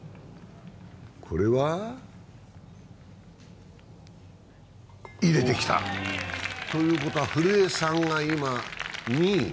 これは？入れてきた！ということは古江さんが今２位。